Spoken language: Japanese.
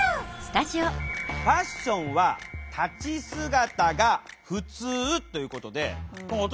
ファッションは「立ち姿」がふつうということで私